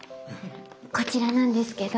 こちらなんですけど。